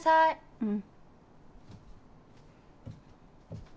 うん。